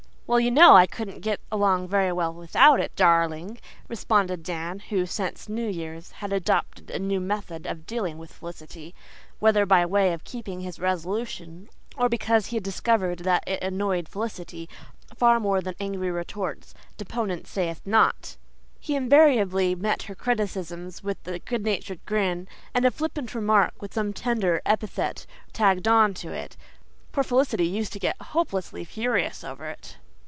"Well, you know I couldn't get along very well without it, darling," responded Dan who, since New Year's, had adopted a new method of dealing with Felicity whether by way of keeping his resolution or because he had discovered that it annoyed Felicity far more than angry retorts, deponent sayeth not. He invariably met her criticisms with a good natured grin and a flippant remark with some tender epithet tagged on to it. Poor Felicity used to get hopelessly furious over it.